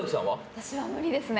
私は無理ですね。